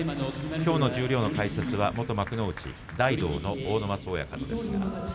きょうの十両の解説は元幕内大道の阿武松親方です。